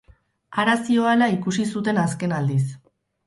Hara zihoala ikusi zuten azken aldiz.